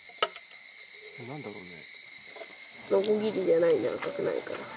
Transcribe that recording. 何だろうね。